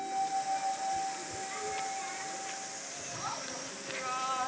こんにちは。